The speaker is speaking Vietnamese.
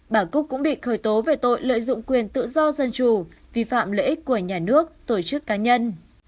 bà cúc cũng bị khởi tố về tội lợi dụng quyền tự do dân chủ vi phạm lợi ích của nhà nước tổ chức cá nhân